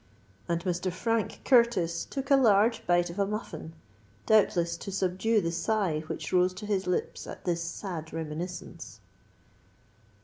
And Mr. Frank Curtis took a large bite of a muffin, doubtless to subdue the sigh which rose to his lips at this sad reminiscence.